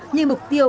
như mục tiêu